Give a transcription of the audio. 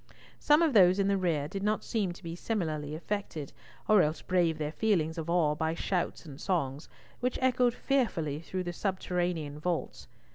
Some of those in the rear did not seem to be similarly affected, or else braved their feelings of awe by shouts and songs, which echoed fearfully through the subterranean vaults.